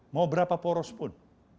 mau berapa poros pun